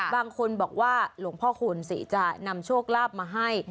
บางคนบอกว่าหลวงพ่อคูณศรีจะนำโชคลาภมาให้